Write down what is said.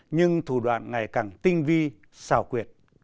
nhưng thủ đoạn ngày càng tinh vi xào quyệt